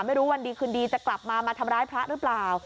วันดีคืนดีจะกลับมามาทำร้ายพระหรือเปล่า